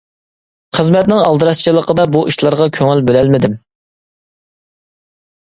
خىزمەتنىڭ ئالدىراشچىلىقىدا بۇ ئىشلارغا كۆڭۈل بۆلەلمىدىم.